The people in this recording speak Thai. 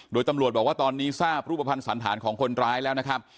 โดยตำรวจบอกว่าตอนนี้ทราบรูปภัณฑ์สันธารของคนร้ายแล้วนะครับ